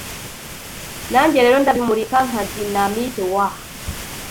Nanjye rero ndabimurika nka dinamite woah